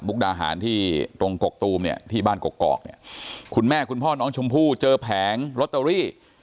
ดาหารที่ตรงกกตูมเนี่ยที่บ้านกกอกเนี่ยคุณแม่คุณพ่อน้องชมพู่เจอแผงลอตเตอรี่